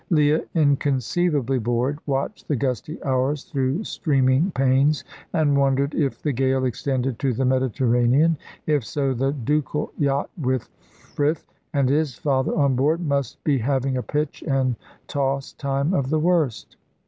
Leah, inconceivably bored, watched the gusty hours through streaming panes, and wondered if the gale extended to the Mediterranean. If so, the ducal yacht with Frith and his father on board must be having a pitch and toss time of the worst.